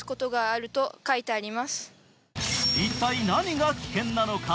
一体何が危険なのか。